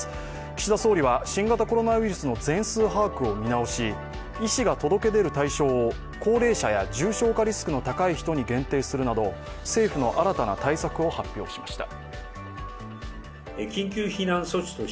岸田総理は新型コロナウイルスの全数把握を見直し、医師が届け出る対象を高齢者や重症化リスクの高い人に限定するなど政府の新たな対策を発表しました。